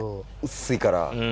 薄いから。